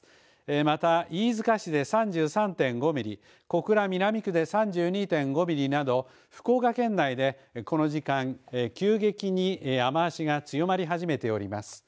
また飯塚市で３３．５ミリ小倉南区で３２．５ミリなど福岡県内でこの時間、急激に雨足が強まり始めております。